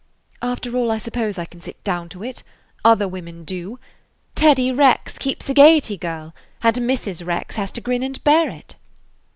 "After all, I suppose I can sit down to it. Other women do. Teddy Rex keeps a Gaiety girl, and Mrs. Rex has to grin and bear it."